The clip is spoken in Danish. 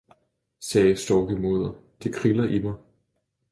« sagde Storkemoder, »det kriller i mig!